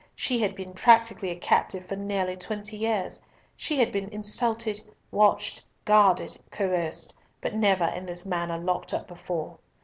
She had been practically a captive for nearly twenty years. She had been insulted, watched, guarded, coerced, but never in this manner locked up before.